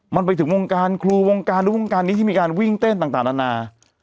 มันไปถึงวงการครูวงการทุกวงการนี้ที่มีการวิ่งเต้นต่างนานา